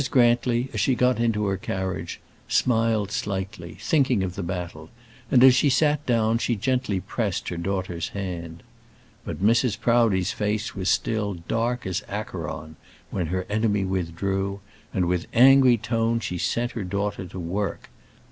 Grantly, as she got into her carriage, smiled slightly, thinking of the battle, and as she sat down she gently pressed her daughter's hand. But Mrs. Proudie's face was still dark as Acheron when her enemy withdrew, and with angry tone she sent her daughter to her work. "Mr.